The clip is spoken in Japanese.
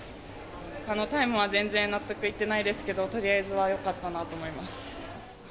タイムは全然納得いってないですけどとりあえずは良かったなと思います。